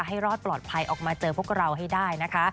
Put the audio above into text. ให้รอดปลอดภัยออกมาเจอพวกเราให้ได้นะคะ